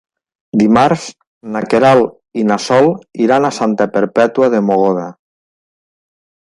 Dimarts na Queralt i na Sol iran a Santa Perpètua de Mogoda.